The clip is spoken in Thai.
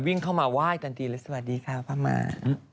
วิ่งเข้ามาไหว้ทันทีเลยสวัสดีค่ะพระหมา